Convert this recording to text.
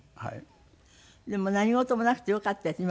でも何事もなくてよかったです